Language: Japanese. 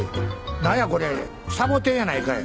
何やこれサボテンやないかい。